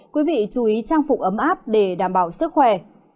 quý vị chú ý trang phục ấm áp để đảm bảo sức khỏe